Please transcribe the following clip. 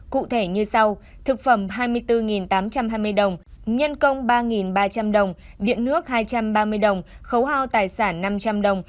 cụ thể như sau thực phẩm hai mươi bốn tám trăm hai mươi đồng nhân công ba ba trăm linh đồng điện nước hai trăm ba mươi đồng khấu hao tài sản năm trăm linh đồng